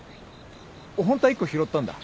ホントは１個拾ったんだ。